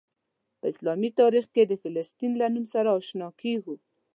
په اسلامي تاریخ کې د فلسطین له نوم سره آشنا کیږو.